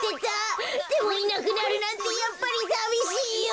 でもいなくなるなんてやっぱりさびしいよ！